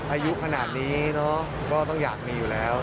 อายุขนาดนี้เนอะก็ต้องอยากมีอยู่แล้ว